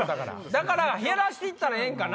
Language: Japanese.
だから減らして行ったらええんかな？